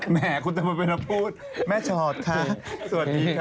แหมคุณจะมาไปแล้วพูดแม่ฉอดค่ะสวัสดีค่ะแม่